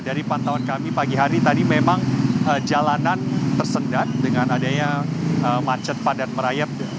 dari pantauan kami pagi hari tadi memang jalanan tersendat dengan adanya macet padat merayap